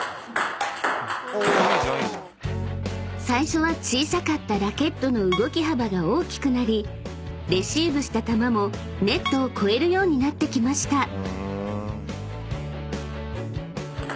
［最初は小さかったラケットの動き幅が大きくなりレシーブした球もネットを越えるようになってきました］